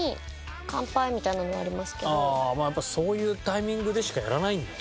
ああやっぱそういうタイミングでしかやらないんだね。